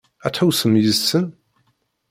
Ad tḥewwsem yid-sen?